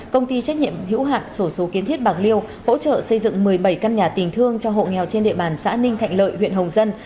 công ty trách nhiệm hữu hạn sổ số kiến thiết bạc liêu hỗ trợ xây dựng một mươi bảy căn nhà tình thương cho hộ nghèo trên địa bàn xã ninh thạnh lợi huyện hồng dân